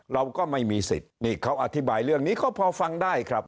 เราก็ไม่มีสิทธิ์นี่เขาอธิบายเรื่องนี้ก็พอฟังได้ครับ